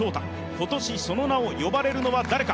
今年その名を呼ばれるのは誰か。